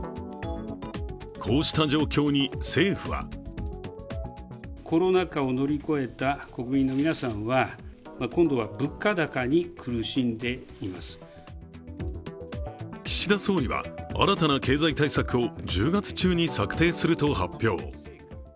こうした状況に政府は岸田総理は新たな経済対策を１０月中に策定すると発表。